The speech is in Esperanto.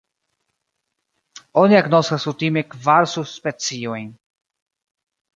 Oni agnoskas kutime kvar subspeciojn.